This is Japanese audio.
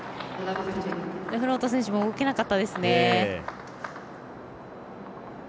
デフロート選手も動けなかったですね。